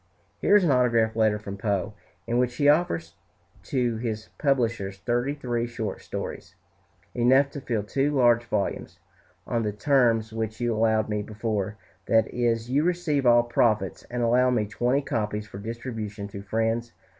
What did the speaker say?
Here is an autograph letter from Poe, in which he offers to his publishers thirty three short stories, enough to fill two large volumes, "On the terms which you allowed me before; that is, you receive all profits and allow me twenty copies for distribution to friends."